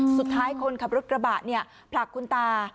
สุดท้ายคนขับรถกระบะเนี่ยผลักคุณตา